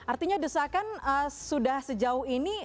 artinya desakan sudah sejauh ini